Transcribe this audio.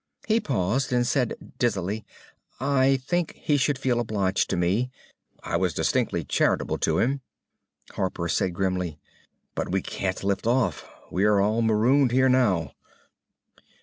He paused, and said dizzily; "I think he should feel obliged to me. I was distinctly charitable to him!" Harper said grimly; "But we can't lift off. We're all marooned here now."